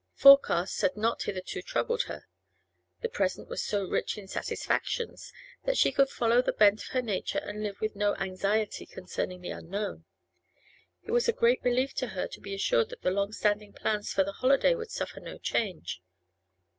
Forecasts had not hitherto troubled her; the present was so rich in satisfactions that she could follow the bent of her nature and live with no anxiety concerning the unknown. It was a great relief to her to be assured that the long standing plans for the holiday would suffer no change.